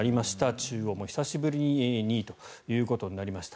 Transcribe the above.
中央も久しぶりに２位ということになりました。